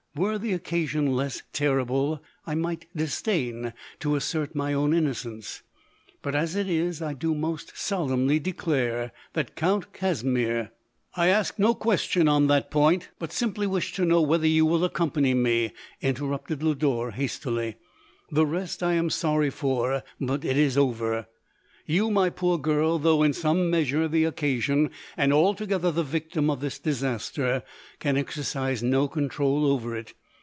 Were the occasion less terrible, I might disdain to assert my own innocence ; but as it is, I do most solemnly declare, that Count asimir " I ask no question on that point, but simply wish to know whether you will accompany me," interrupted Lodore, hastily ;" the rest I am sorry for — but it is over. You, my poor girl, though in some measure the occasion, and alto gether the victim, of this disaster, can exer cise no controul over it.